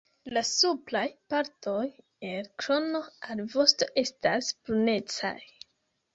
La supraj partoj el krono al vosto estas brunecaj.